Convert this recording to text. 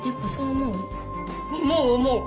思う思う。